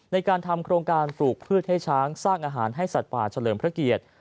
ในการทำโครงการปลูกพืชให้ช้างสร้างอาหารให้สัตว์ป่าเฉลิมพระเกียรติ